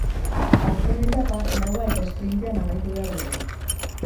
Azken etapa, laua eta esprintean amaitu behar dena.